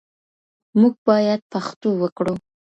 موږ بايد پښتو وکړو.